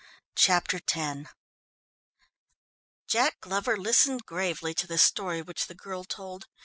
Chapter X Jack Glover listened gravely to the story which the girl told.